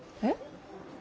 えっ？